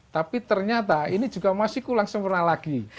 tapi ternyata ini juga masih kurang sempurna lagi